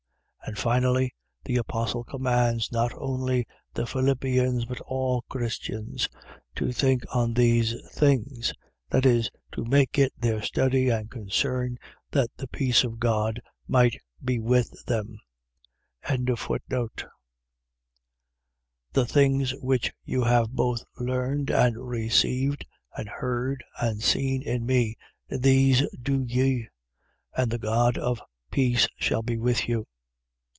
And finally, the apostle commands, not only the Philippians, but all Christians, to think on these things. . .that is, to make it their study and concern that the peace of God might be with them. 4:9. The things which you have both learned and received and heard and seen in me, these do ye: and the God of peace shall be with you.